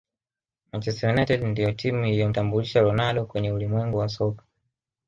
manchester united ndiyo timu iliyomtambulisha ronaldo kwenye ulimwengu wa soka